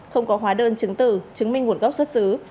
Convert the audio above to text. không có hóa đơn chứng từ chứng minh gồm gốc xuất xứ